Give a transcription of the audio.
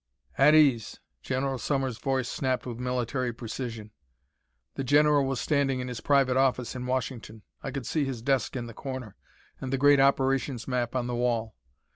"At ease!" General Sommers' voice snapped with military precision. The general was standing in his private office in Washington. I could see his desk in the corner, and the great operations map on the wall.